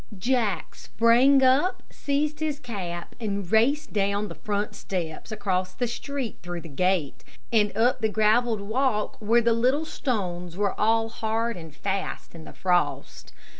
Jack sprang up, seized his cap, and raced down the front steps, across the street, through the gate, and up the gravelled walk, where the little stones were all hard and fast in the frost.